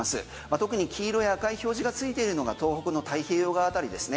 特に黄色や赤い表示が付いてるのが東北の太平洋側辺りですね。